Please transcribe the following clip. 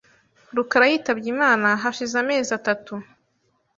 rukara yitabye Imana hashize amezi atatu .